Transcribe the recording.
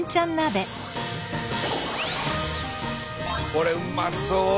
これうまそう！